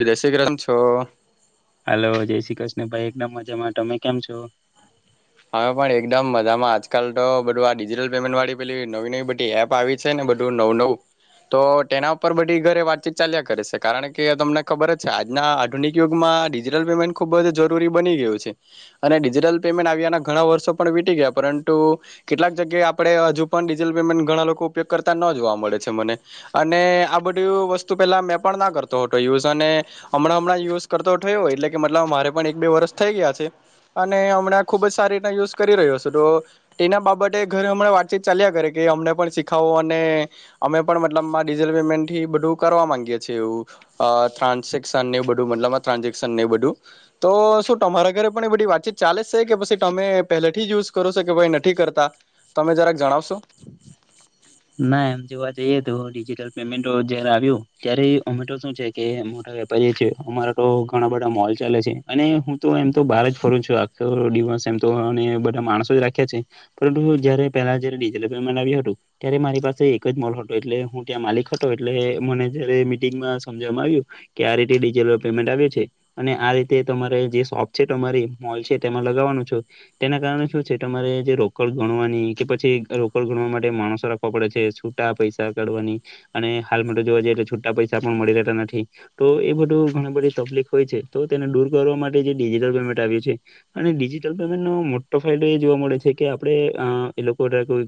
[unintelligible] દેશી કેમ છો? હાલો જય શ્રી કૃષ્ણ ભાઈ એકદમ મજામાં ટમે કેમ છો? અમે પણ એકડમ મજામાં આજકાલ ટો બઢુ આ ડીજિટલ પેમેન્ટ વાળી પે નવી નવી બઢી એપ આવી છે ને બઢુ નવુ નવુ તો ટેના ઉપર બઢી ઘરે વાતચીત ચાલ્યા કરે સે કારણ કે તમને ખબર જ છે આજના આઢુનિક યુગમાં માં ડિજીટલ પેમેન્ટ ખુબ જ જરુરી બની ગયું અને ડિજીટલ પેમેન્ટ આવ્યાના ઘણા વર્ષો પણ વીટી ગયા પરંટુ કેટલાક જગ્યાએ આપડે અજુ પણ ડીજલ પેમેન્ટ ઘણા લોકો ઉપયોગ કરતા ન ન જોવા મળે છે મને અને આ બઢુ એવુ વસ્તુ પેલા મેં પણ ન કરતો હટો યુઝ અને અમ્ મણાં અમણાં યુઝ કરતો ઠયો એટલે કે મતલબ મારે પણ એક બે વરષ થઈ ગયા છે અને અમણાં ખૂબ જ સારી યુઝ કરી રહ્યો સે તો ટેના બાબટે ઘરે અમણાં વાતચીત ચાલ્યા કરે કે અમને પણ શીખાવો અને અમે પણ મતલબમાં ડિજલ પેમેન્ટઠી બઢુ કરવા માંગીએ છે એવુ અ ટ્રાન્સેક્શનને એવ બઢુ મતલબમાં ટ્રાન્ઝેક્શનને એ બઢુ તો શું ટમારા ઘરે પણ એ બઢી વાતચીત ચાલે જ સે કે પસી ટમે પહેલેઠી જ યુઝ કરો સો કે પસી નઠી કરતા તમે જરાક જણાવશો ના એમ જોવા જઈએ તો ડિજિટલ પેમેન્ટો જયારે આવ્યું ત્યારે અમેટો શું છે કે [unintelligible] વેપારીએ છે અમારા તો ઘણા બઢા મોલ ચાલે છે અને હું તો એમ તો બહાર જ ફરું છું આખ તો દિવસ એમ તો અને બધા માણસો જ રાખ્યા છે પરંતુ જયારે પેલા જયારે ડિજટલ પેમેન્ટ આવ્યું હતું ત્યારે મારી પાસે એક જ મોલ હટો એટલે હું ત્યાં માલિક હટો એટલે મને જયારે મિટિંગમાં સમજવામાં આયવુ કે આ રીતે ડીજેલો પેમેન્ટ આવે છે અને આ રીતે તમારે જે શોપ છે તમારી મોલ છે તેમા લ જવાનું છો તેના કારણે શું છે તમારે જે રોકડ ગણવાની કે પછી રોકડ ગણવા માટે માણસ રાખવા પડે છે સૂટા પૈસા કાઢવાની અને હાલમાં તો જોવા જઈએ તો છૂટા પૈસા પણ મળી રહેતા નથી. તો એ બધું ઘણી બધી તકલીફ હોય છે તો તેને દૂર કરવા માટે જે ડિજિટલ પેમેન્ટ આવ્યું છે, અને ડિજટલ પેમેન્ટ નો મોટો ફાયદો એ જોવા મળે છે કે આપડે એ લોકો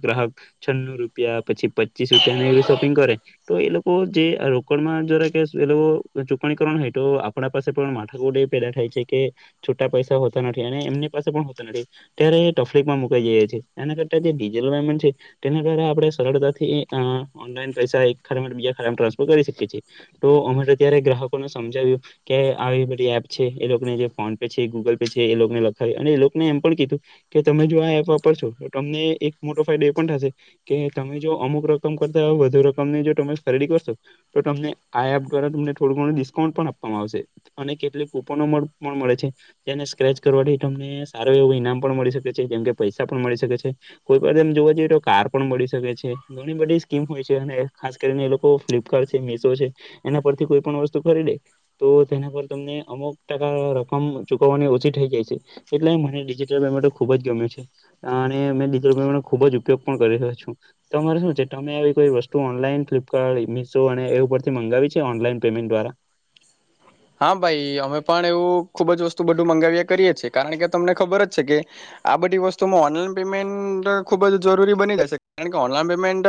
ગ્રાહક, છન્ ન ર ૂપ પછી પચીસ રૂપિયાને એવી શોપિંગ કરે, તો એ લોકો તો જે રોકડ માં જરા એ લોકો ચૂકણીકરણ હોય તો આપણા પાસે પણ માથાકોડે પેદા થાય. કે, છુટા પૈસા હોતા નથી અને એમની પાસે પણ હોતા નથી, ત્યારે એ તફલીફમાં મુકાઈ જાયી. તેના દ આપ [unintelligible] સરળતાથી પસા બીજા ખા ટ્રાન્સફર કરી શકી છી તો અમે ગ્રાહકોને સમજાવ્યું કે આવી બધી એપ છે એ લોકોને જે ફોન પે છે ગૂગલ પે છે એ લોકોને લખાવી અને ને એમ પણ કીધું કે તમે જો આ એપ વાપરશો તો તમને એક મોટો ફાયદો એ પણ થશે, કે તમે જો અમુક રકમ કરતા હોય વધુ રકમ ની જો તમે ખરીદી કરશો, તો તમને આ એપ દ્વારા તમને થોડું િઉન્ટ પણ આપવામાં આવશે, અને કેટલીક કુપનો પણ મળે છે જેને સ્ક્રેચ કરવાથી તમને સારું એવું ઈનામ પણ મળી શકે છે જેમ કે પૈસા પણ મળી શકે છે, કોઈ પણ જોવા જઈએ તો કાર પણ મળીકે બધ સ્કીમ હોય છે ખાસ કરીને એ લોકો ફ્લિપકાર્ટ છે, મીશો છે એના પરથી કોઈ પણ વસ્તુ કરી દે તો તેના પર તમને અમુક ટકા રકમ ચુકવવાની ઓછી થઈ જાય છે. એટલે મને ડિજિટલ પેમેન્ટ ખુબ જ ગમ્યું છે, અને મેં ડિજિટલ પેમેન્ટો ખૂબ જ ઉપયોગ પણ કરી રહ્યો છું. તમારે શું છે તમે આવી કોઈ વસ્તુ ઓનલાઈન ફ્લિપકાર્ટ ઇમિસો અને એ ઉપરથી મંગાવી છે ઓનલાઈન પેમેન્ટ દ્વારા? [inaudible] હા ભાઈ અમે પણ એવું ખુબ જ વસ્તુ બધું મંગાવ્યા કરીએ છેીએ કારણ કે તમને ખબર જ છે કે. આ બધી વસ્તુમાં ઓનલાઈન પેમેન્ટ ખુબ જ જરૂરી બની જશે કારણ કે ઓનલાઈન પેમેન્ટ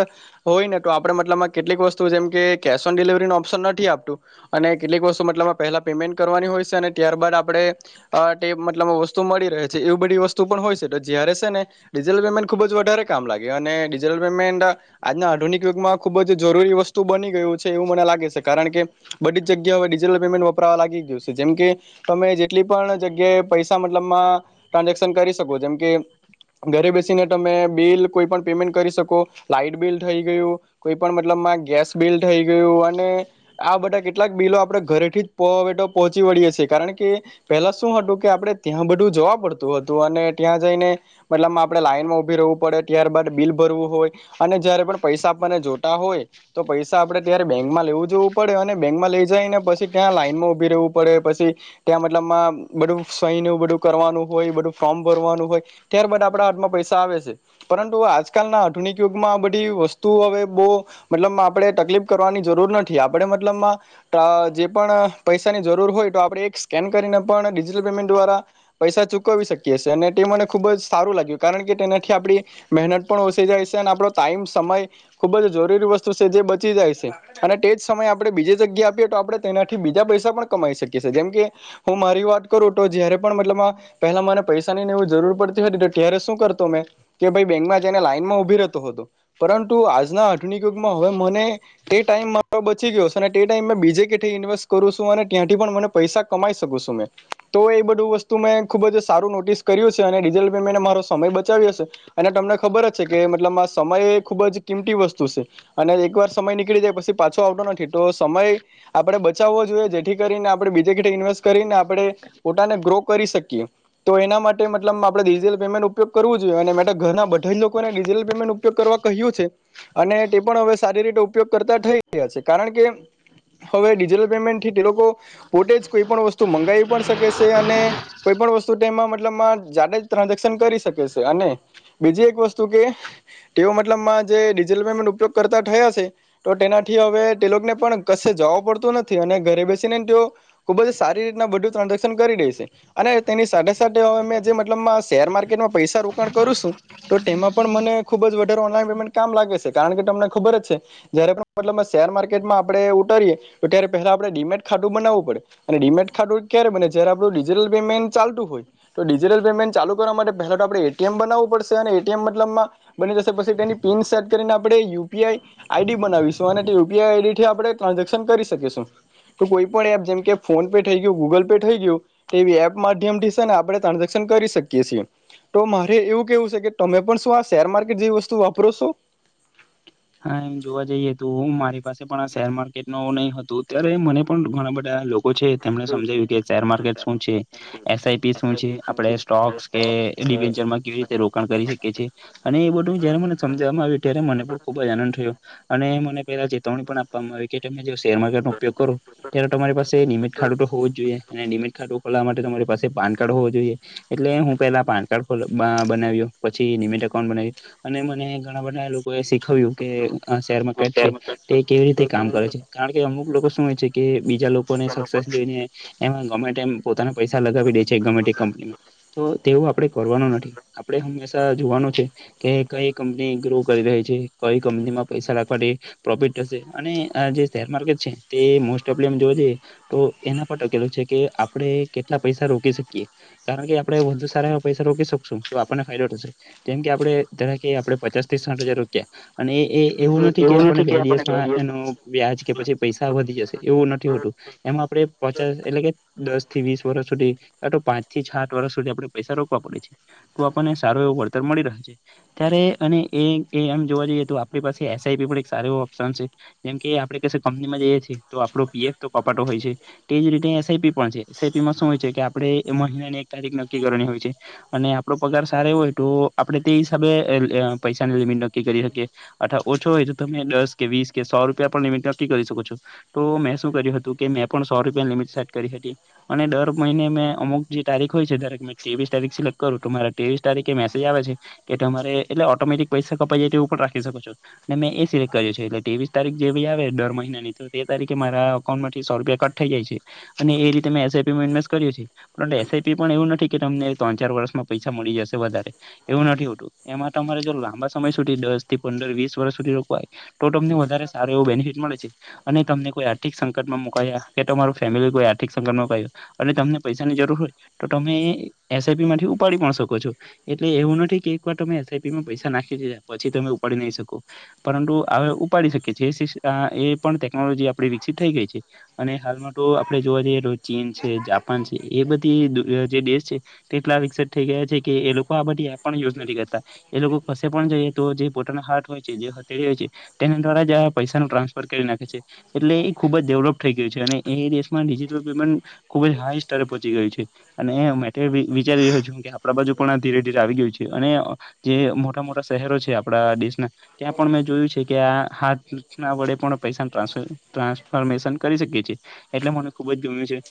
હોય તો આપડે મતમાં કેટલીક વસ્તુ જેમ કેશ ઓન ડિલવરી નો ઓપ્શન નથી આપતું અને કેટલીક વસ્તુ મતલબ પેલા પેમેન્ટ કરવાની હોય છે અને ત્યારબાદ આપણેેટે મતલબ વસ્તુ મળી રહે છે એવી બધી વસ્તુ પણ હોય છે તો જ્યારે ને ડિટલ પેમેન્ટ ખુબ જ વધારે કામ લાગે અને ડિજિટલ પેમેન્ટ આજના આધુનિક માં ખૂબ જ જરૂરી વસ્તુ બની ગયું છે એવું મ લાગે કારણ કે બધી જગ્યા હવે ડિજિટલ પેમેન્ટ લાગી ગયું છે જેમકે તમે જેટલી પણ જગ્યાએ પૈસા મતલબમાં ટ્રાન્ઝેક્શન કરી શકો છો જેમ કે ઘરે બેસીને તમે બિલ કોઈ પણ પેમેન્ટ કરી શકો લાઈટ બિલ થઈ ગયું કોઈ પણ મતલબ ગેસ બિલ થઈ ગયું અને આ બધા કેટલાક બિલો આપડે ઘરેથી જ ેટો પહોંચી વળીએ છીએ કારણ કે પેહલા શું હતું કે આપડણે ત્યાં બધું જવા પડતું હતું અને ત્યાં જઈને મતલબ આપણે લાઈનમાં ઉભી રવું પડે ત્યારબાદ બિલ ભરવું હોય અને જયારે પણ પૈસા જોતા હોય તો પૈસા આપડે ત્યારે બેંકમાં લેવું જોવું પડે અને બેંકમાં લઈ જઈને પછી ત્યાં લાઈનમાં ઉભી રહેવું પડે પછી ત્યાં મતલબમાં બધું સહી નું બધું કરવાનું હોય બધું ફોમ ભ ત્યારબદ આપ હાથમાં પૈસા આવે છે પરંતુ આજકાલના આધુનિક યુગમાં આ બધી વત હવે બ મતલબ આપણે તકલીફ કરવાની જરૂર નથી આપણેે મતલબમાં જે પણ પૈસાની જરૂર હોય તો આપણેે એક સ્કેન કરીને પણ ડિજિટલ પેમેન્ટ દ્વારા પૈસા ચૂકવી શકીએ અને તે મને ખુબ જ સારું લાગ્યું કારણ કે તેનાથી આપ મહેનત પણ ઓસ જાય છે અને આપો ટાઈમ ખૂબ જ જરૂરી વસ્તુ છે જે બચી જાય છે અને તે જ સમયે આપણે બીજી જગ્યા આપએ તો આપણે તેનાથી બીજા પૈસા પણ કમાઈ શકીી જેમ કે હું મારી વાત કરું તો જયારે પણ મતલબ પેલા મને પૈસાનીને એવું જરૂર પડતી ત્યારે શું કરતો મેં કે ભાઈ બેંકમાં જને લાઈનમાં ઉભીતો હતો પરંતુ આજના આઠુન યુગમાં હવે મને તે ટાઈમ મારો બચી ગયો છે અને તે ટાઈમ બીજે વેસ્ટ કરું છું અને ત્યાંથી પણ મને પૈસા કમાઈ શકું છું મેં તો એ બધું વસ્તુ મેં ખુબ જ સારું નોટિસ કર્યું છે અને ડિઝલ પેમેન્ટ મારો સમય બચાવ્યોશે અને તમને ખબર જ છે કે મતલબ સમય ખુબ જ કિમતી વસ્તુ છે અને એકવાર સમય નીકળી જાય પછી પાછો આવતો નથી તો સમય આપણે બચાવવો જોઈએ જેથી કરીને આપણે બીજે કે ઇન્વેસ્ટ કરીને આપડણે પોતાાને ગ્રો કરી શકીએ તો એના માટે મતલબ આપણે ડિજિટલ પેમેન્ટ ઉપયોગ કરવો જોઈએ અને ઘરના બધા જ લોકોને ડિજિટલ પેમેન્ટ ઉપયોગ કર કહ્યું છે અને તે પણ હવે સારી રીતે ઉપયોગ કરતા થઈ ગયા છે કારણ કે હવે ડિજિટલ પેમેન્ટ થી તે લોકો પોતે જ કોઈ પણ વસ્તુ મંગાવી પણ શકે છે અને કોઈ પણ વતુ મતલબ જાડ જ ટ્રાન્ઝેક્શન કરી શકે છે અને બીજી એક વસ્તુ કે તેઓ મતલબમાં જે ડિજિટલ પેમેન્ટ ઉપયોગ કરતાં થયા છે તો તેનાથી હવે તે લોકોને પણ ક જવ પડતું નથી અને ઘરે બેસીનેને તેઓ ખુબ જ સારી રીતના બધું ટ્રાન્ઝેક્શન કરી રેશે હે તેની સાથે સાથે અવે મેં જે મતલબમાં શેર માર્કેટમાં પૈસા રોકાણ કરું સુ તો તેમાં પણ મને ખૂબ જ વઢારે ઓનલાન પેમેન્ટ કામ લાગે સે કારણ કે તમને ખબર જ છે જયારે પણ મતલબમાં શેર માર્કેટમાં આપડે ઉટરીએ તો ટ્યારે પેહલા આપણે ડી મેટ ખાતુ બનાવું પડે અને ડીમેટ ખાતુ ક્યારે બને જયારે આપું ડીઝલ પેમેન્ટ ચાલતુ હોય તો ડિજટલ પેમેન્ટ ચાલુ કરવા માટે પહેલા તો આપણે એ ટી એમ બનાવવુ પડશે અને એ ટી એમ મતલબમાં બની જશે પસી તેની પિન સેટ કરીને આપણે U P I I D બનાવીશું અને તે U P I I D થી આપ આપડે ટ્રાન્ઝક્શન કરી શકીશુ તો કોઈ પણ એપ જેમ કે ફોન પે થેઈ ગયુ ગૂગલ પે થેઈ ગયું તેવી એપ માધ્યમથી સે ને આપડે ટ્રાન્ઝક્શન કરી શકીએ સીએ. ટો માહરે એવું કેવું સે કે તમે પણ શું આ શેર માર્કેટ જેવી વસ્તુ વાપરો સો? હા એમ જોવા જઈએ તો અમ મારી પાસે પણ આ શેર માર્કેટ ને ઓ નઈ હતું ત્યારે મને પણ ઘણા બઢા લો કો છે તેમણે સમજાયવુ કે શેર માર્કેટ શું છે એસ આઈ પી શું છે આપડે સ્ટોક્સ કે [inaudible] માં કેવી રીતે રોકાણ કરી શકે છે. અને એ બધું જયારે મને સમજવામાં આવે ત્યારે મને પણ ખૂબ આનંદ થયો. અને મને પેલા ચેતવણી પણ આપવામાં આવી કે તમે શેર માર્કેટ નો ઉપયોગ કરો ત્યારે તમારી પાસે ડિમેટ ખાતુ તો હોવું જ જોઈએ ને ડીમે ખાતું ખોલાવા માટે તમારી પાસે પાન કાર્ડ હોવો જોઈએ, એટલે હું પેલા પાન કાર્ડ ખોલ બનાવ્યો પછી એ ડીમેટ એકાઉન્ટ બનાવ્યું અને મને ઘણા બધા લોકો શી ખયું કે આ શેર માર્કેટ છે, તે કેવી રીતે કામ કરે છે. કારણ કે અમુક લોકો શું હોય છે કે બીજ બીજા લોકોને સક્સેસ જોઈને એમ ગમે તેમ પોતાના પૈસા લગાવી દે છે ગમેતે કંપની તો તેવું આપડે કરવાનું નથી. આપડે હંમેશા જોવાનું છે કે, કઈ કંપની ગ્રો કરી રહી છે. કઈ કંપનીમાં પૈસા લગાવા થી પ્રોફિટ થશે અને આ જે શેર માર્કેટ છે તે મોસ્ટ ઓફલી આમ જો જે તો એના પર ટકેલું છે કે આપડે કેટલા પૈસા રોકી શકીએ. કારણ કે આપડે વધુ અત્યારે પૈસા રોકી શકશું તો આપણને ફાયદો થશે કેમ કે આપડે ધારો કે આપે પચાસથી સાઠ હજાર રોક્યા અને એ એવું નથી કે આપડને બે દિવસમાં એનું વ્યાજ કે પછી પૈસા વધી જશે એવું નથી હોતું એમાં આપડે પચાસ એટલે કે દસ થી વીસ વર્ષ સુધી કા તો પાંચ થી છાત વર્ષ સુધી આપડે પૈસા રોકવા પડે છે. તો આપડને સારો એવ વળતર મળી રહ છે, ત્યારે અને એ એ એમ જોવા જઈએ તો આપડી પાસે એસઆઈપી પણ એક સારો એવો ઓપ્શન છે. જેમ કે, આપડે કશે કંપનીમાં જઈએ છીએ આપડો પીએફ તો ઑટો હોય છે તેજ રીતે એસઆઈપી પણ છે. એસઆઈપી માં શું હોય છે કે આપણે મહિને એક તારીખ નક્કી કરવાની હોય છે. અને આપડો પગાર સારો એવો હોય તો આપડે તે હિસાબે પૈસાની લિમિટ નક્કી કરી શકીએ. અથવા ઓછો હોય તો તમે દસ કે વીસ કે સો રૂપિયા પણ લિમિટ નક્કી કરી શકો છો. તો મેં શું કર્યું હતું કે મેં પણ સો રૂપિયાની લિમિટ સેટ કરી હતી અને દર મહિને મેં અમુક જે તારીખ હોય છે ધારોકે મેં ત્રેવીસ તારીખ સિલેક્ટ કરું તમારા ત્રેવીસ તારીખે મેસેજ આવે છે કે તમારે એટલે ઓટોમેટિક પૈસા કપાઈ જાય તેવુ પણ રાખ ની શકો છો. ને મે એ સિલેક્ટ કર્યું છે, એટલે ત્રેવીસ તારીખ જેવી આવે દર મહિનાની તો તે તારીખે મારા અકાઉન્ટમાં થી સો રૂપિયા કટ થઈ જાય છે. અને એ રીતે મે એસઆઇપીમાં ઇન્વેસ્ટ કર્યું છે, પણ એસઆઈપી પણ એવું નથી કે તમને ત્રણ-ચાર વર્ષમાં પૈસા મળી જશે વધારે, એવું નથી હોતુ. એમા તમારે જો લાંબા સમય સુધી દસ આથી પંદર વીસ વર્ષ સુધી રોકવા તો તમને વધ સારું એવું બેનિફિટ મળે છે અને તમને કોઈ આર્થિક સંકટ માં મુકાયા કે તમારું ફેમિલી કોઈ આર્થિક સંકટમાં ગયું અને તમને પૈસાની જરૂર હોય તો તમે એસઆઈપીમાંથી ઉપાડી પણ શકો છો, એટલે એવું નથી કે એકવાર તમે એસઆઈપીમાં પૈસા નાખી દીધા પછી તમે પાડી નઈ શકો. પરંતુ અવે ઉપાડી શકીએ છીએ એ સીસ અ એ પણ ટેકનોલોજી આપડી વિકસિત થઈ ગઈ છે. અને હાલમાં તો આપણે જોવા જઈએ તો ચીન છે, જાપાન છે એ બધી જે દેશ છે તેટલા વિકસિત થઈ ગયા છે કે એ લોકો આ બધી એપ પણ યુઝ નથી કરતા એ લોકો કશે પણ જઈએ તો જે પોતાના હાથ હોય છે, જે હથળી હોય છે તેના દ્વારા જ આ પૈસાનું ટ્રાન્સફર કરી નાખે છે. એટલે એ ખુબ જ ડેવલપ થઈ ગયું છે, અને એ દેશમાં ડિજિટલ પેમેન્ટ ખુબ જ હાઈ સ્તરએ પહોચી ગયું છે. અને મે તો એ વિ-વિચારી રહ્યો છું કે, આપડા બાજુ પણ આ ધીરે-ધીરે આવી ગયું છે. અને જે મોટા-મોટા શહેરો છે આપડા દેશના, ત્યાં પણ મેં જોયું છે કે આ હાથ ના વડે પણ પૈસા ટ્રાન્સફરમેશન કરી શકે છીએ, એટલે મને ખુબ જ ગમે છે.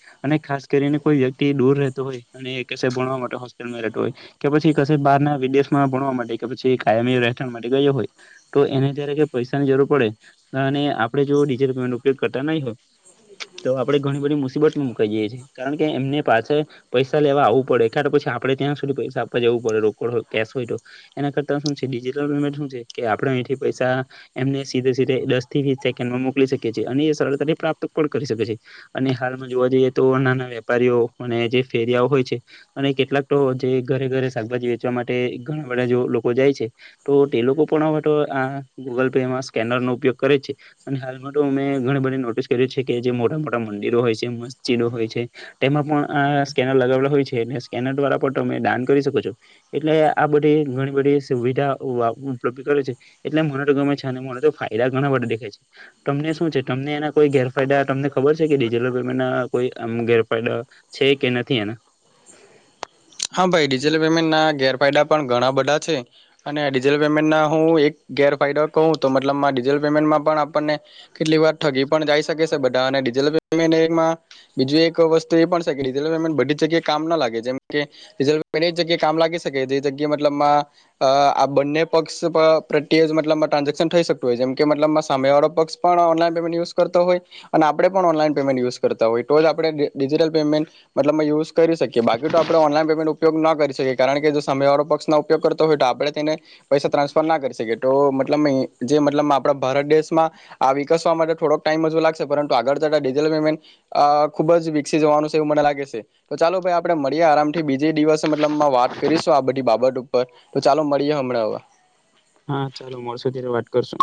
ખાસ કરીને કોઈ વ્યક્તિ દૂર રહેતો હોય, અને ભણવા માટે હોસ્પિટલમાં રહેતો હોય, કે પછી પછી બહારના વિદેશમાં ભણવા માટે કે પછી કાયમી રહે. થ મળી ગયો હોય તો એને જયારે કે પૈસાની જરૂર પડે અને આપડે જો ડિજિટલ પેમેન્ટ ઉપયોગ કરતા ન હોય, તો આપડે ઘણી બધી મુસીબત મુકાઈ જાય છીએ કારણ કે એમને પાસે પૈસા લેવા આવવું પડે ક્યા પછી આપડે ત્યાં સુધી પૈસા આપવા જવું પડે. રોડય કેસ હોય તો એના કરતા આપ પૈસા એને સી દસ થી વીસ સેકન્ડમાં મોકલી શકી છીએ અને સરળતાથી પ્રાપ્ત પણ કરી શકે છે અને હાલમાં જોવા જઈએ તો નાના વેપારીઓ અને જે ફેરિયાઓ હોય છે, અને કેટલાક તો જે ઘરે ઘરે શાકભાજી વેચવા માટે ઘણા બધા જો લોકો જાય છે. ટો તે લોકો પણ હવે ટો આ ગૂગલ પેમાં સ્કેનરનો ઉપયોગ કરે છે અને હાલમાં ટો અમે ઘણી બધી નોટિસ કરે છે કે જે મોટા મોટા મંદિરો હોય છે, મસ્જિદો હોય છે તેમાં પણ આ સ્કેન લગાવલા હોય છે ને સ્કેનર દ્વારા પણ ટમે દાન કરી શકો છો. એટલે આ બધી ઘણી બધી સુવિ ઉપલબ્ધ કરે છે, એટલે મને તો ગમે છે અને મને તો ફાયદા ઘણા દેખાય છે, તમને શું છે. ટમને એના કોઈ ગેરફાયદા ટમને ખબર છે કે ડિજિટલ પેમેન્ટના કોઈ આમ ગેર ફાયદા છે કે નથી એના હા ભાઈ ડિજિટલ પેમેન્ટના ગેર ફાયદા પણ ઘણા બધા છે અને ડિજલ પેમેન્ટના હું એક ગેરફાયદો કહું તો મતલબમાં ડિજલ પેમેન્ટમાં પણ આપણને કેટલી વાર ઠગી પણ જાય શકે સે બઢા અને ડિજીલ પેમેન્ટ એમાં બીજી એક વસ્તુ એ પણ સે કે ડિજલ પેમેન્ટ બધી જગ્યાએ કામ ના લાગે જેમ કે ડિજલ પેમેન્ટ એ જ એ જગ્યા કામ લાગી શકે જે જગ્યા મતલબમાં અ આ બંને પક્ષ પ [inaudible] મતલબમાં ટ્રાન્ઝેક્શન થઈ શકતું હોય જે કે મતલબમાં સામે વાળો પક્ષ પણ ઓનલાઇન પેમેન્ટ યુઝ કરતો હોય અન- આપણે પણ ઓનલાઈન પેમેન્ટ યુઝ કરતા હોય તો જ આપણે ડી ડિજિટલ પેમેન્ટ મતલબમાં યુઝ કરી શકીએ. [unintelligible] તો આપણે ઓનલાઈન પેમેન્ટ ઉપયોગના કરીએ. કારણ કે જો સામે વાળો પક્ષના ઉપયોગ કરતો હોય તો આપણે તેને પૈસા ત્રાન્સફર ના કરી શકીએ તો મતલબમા ઇ જે મતલબ આપણા ભારત દેશમાં આ વિકસવા માટે થોડોક ટાઈમ હજુ લાગશે પરંતુ આગળ જતા ડિજટલ પેમેન્ટ અ ખુબ જ વિકસી જવાનું છે એવું મને લાગે છે તો ચાલો ભાઈ આ આપણે મળીએ આરામ થી બીજે દિવસ મતલબમાં વાત કરીશું આ બધી બાબત ઉપર તો ચાલો મળીએ હમણાં હવે હા ચાલો, મળશું ત્યારે વાત કરશું.